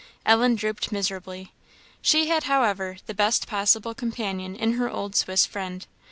Ellen drooped miserably. She had, however, the best possible companion in her old Swiss friend.